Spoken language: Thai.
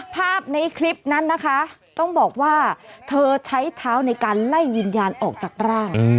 ภาพในคลิปนั้นนะคะต้องบอกว่าเธอใช้เท้าในการไล่วิญญาณออกจากร่าง